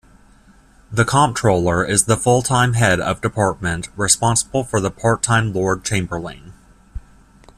The Comptroller is the full-time head of department, responsible to the part-time Lord Chamberlain.